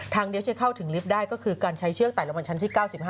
เดียวจะเข้าถึงลิฟต์ได้ก็คือการใช้เชือกไต่รางวัลชั้นที่๙๕